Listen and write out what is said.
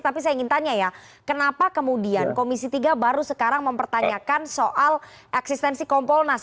tapi saya ingin tanya ya kenapa kemudian komisi tiga baru sekarang mempertanyakan soal eksistensi kompolnas